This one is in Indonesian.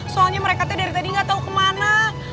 soalnya mereka dari tadi gak tau kemana